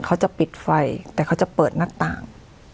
เขาจะปิดไฟแต่เขาจะเปิดหน้าต่าง